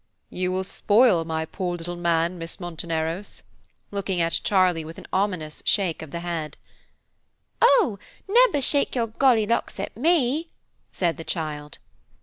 "You will spoil my poor little man, Miss Monteneros," looking at Charlie with an ominous shake of the head. "Oh! nebber shake your golly locks at me," said the child.